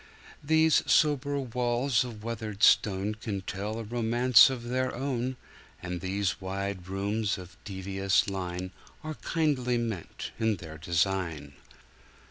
These sober walls of weathered stoneCan tell a romance of their own, And these wide rooms of devious line Are kindly meant in their design.